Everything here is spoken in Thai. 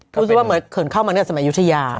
รู้สึกว่าเหมือนเขินเข้ามาเนี่ยสมัยยุธยา